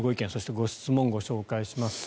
・ご質問を紹介します。